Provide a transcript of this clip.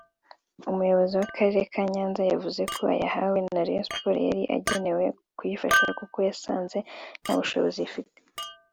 Umuyobozi w’Akarere ka Nyanza yavuze ko ayahawe Rayon Sports yari agenewe kuyifasha kuko basanze nta bushobozi ifite